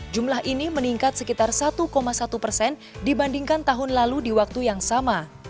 jumlah ini meningkat sekitar satu satu persen dibandingkan tahun lalu di waktu yang sama